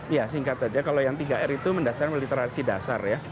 ya singkat saja kalau yang tiga r itu mendasarkan literasi dasar ya